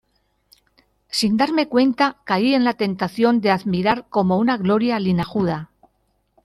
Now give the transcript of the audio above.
sin darme cuenta caí en la tentación de admirar como una gloria linajuda